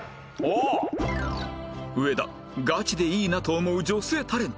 上田ガチでいいなと思う女性タレント